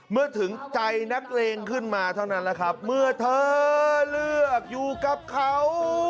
เมื่อถึงใจนักเลงขึ้นมาเท่านั้นแหละครับเมื่อเธอเลือกอยู่กับเขา